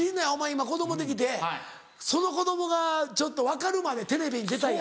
今子供できてその子供がちょっと分かるまでテレビに出たいやろ。